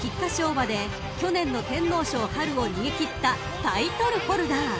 馬で去年の天皇賞を逃げ切ったタイトルホルダー］